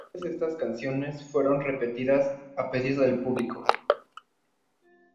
Todas estas canciones fueron repetidas a pedido del público.